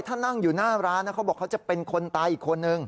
ถ้านั่งอยู่หน้าร้านนะเขาบอกเขาจะเป็นคนตายอีกคนนึง